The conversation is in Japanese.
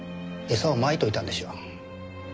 餌をまいておいたんでしょう。